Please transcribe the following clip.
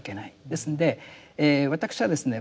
ですんで私はですね